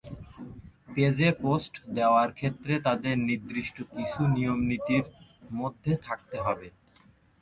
পেজে পোস্ট দেওয়ার ক্ষেত্রে তাঁদের নির্দিষ্ট কিছু নিয়মনীতির মধ্যে থাকতে হবে।